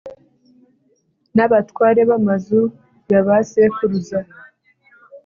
n'abatware b'amazu ya ba sekuruza,